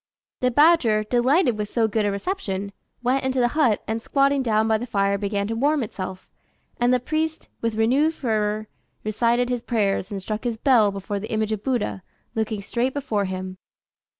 The badger, delighted with so good a reception, went into the hut, and squatting down by the fire began to warm itself; and the priest, with renewed fervour, recited his prayers and struck his bell before the image of Buddha, looking straight before him.